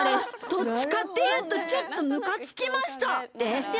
どっちかっていうとちょっとむかつきました。